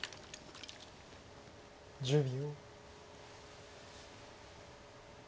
１０秒。